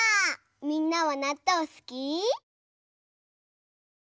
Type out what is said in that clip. みんなはなっとうすき？